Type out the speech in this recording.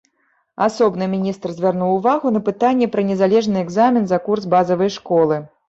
Асобна міністр звярнуў увагу на пытанне пра незалежны экзамен за курс базавай школы.